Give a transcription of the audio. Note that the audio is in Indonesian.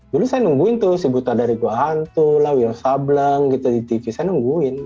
dulu saya nungguin tuh si buta dari gua hantu lawio sableng gitu di tv saya nungguin